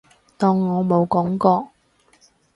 當我冇講過